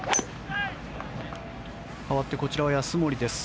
かわってこちらは安森です。